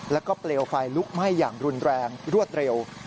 แล้วก็เปลวไฟลุกไหม้อย่างรุนแรงรวดเร็ว